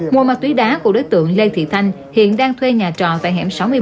mùa ma túy đá của đối tượng lê thị thanh hiện đang thuê nhà trò tại hẻm sáu mươi bốn